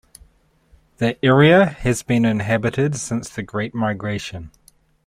The area has been inhabited since the Great Migration.